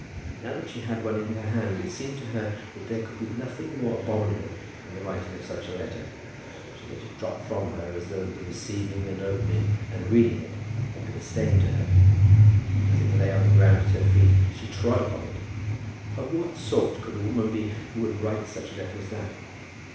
Now that she had one in her hand, it seemed to her that there could be nothing more abominable than the writing of such a letter. She let it drop from her, as though the receiving, and opening, and reading it had been a stain to her. As it lay on the ground at her feet, she trod upon it. Of what sort could a woman be who would write such a letter as that?